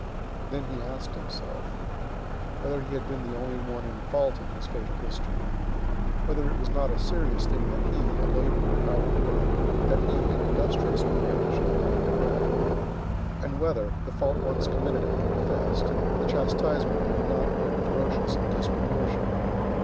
Then he asked himself:— Whether he had been the only one in fault in his fatal history. Whether it was not a serious thing, that he, a laborer, out of work, that he, an industrious man, should have lacked bread. And whether, the fault once committed and confessed, the chastisement had not been ferocious and disproportioned.